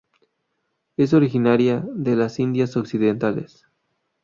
Es originaria de las Indias occidentales.